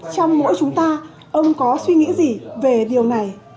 trong mỗi chúng ta ông có suy nghĩ gì về điều này